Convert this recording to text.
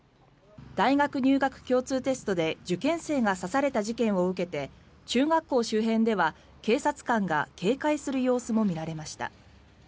大学入学共通テストで受験生が刺された事件を受けて中学校周辺では警察官が警戒する様子も見られました。